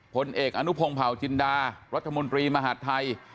ผลเอกอนุพงศ์เผาจินดารัฐมนตรีมหาดไทย